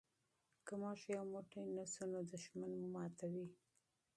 که موږ یو موټی نه شو نو دښمن مو ماتوي.